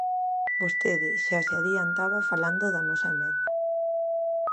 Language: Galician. Vostede xa se adiantaba falando da nosa emenda.